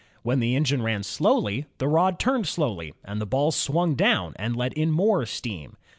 When the engme ran slow ly, the rod turned slowly, and the balls swung down and let in more steam.